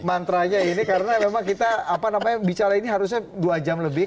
mantranya ini karena memang kita bicara ini harusnya dua jam lebih